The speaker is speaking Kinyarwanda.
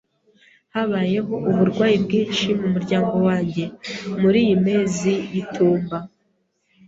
Habayeho uburwayi bwinshi mumuryango wanjye muriyi mezi y'itumba.